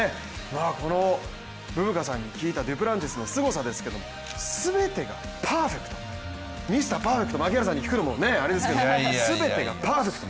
このブブカさんに聞いたデュプランティスのすごさですけども全てがパーフェクト、ミスターパーフェクト、槙原さんに聞くのもあれですけど全てがパーフェクト！